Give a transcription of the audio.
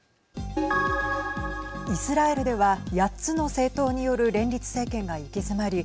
イスラエルでは８つの政党による連立政権が行き詰まり